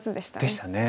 でしたね。